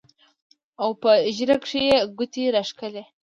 او پۀ ږيره کښې يې ګوتې راښکلې